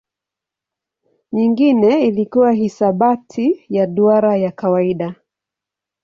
Nyingine ilikuwa hisabati ya duara ya kawaida.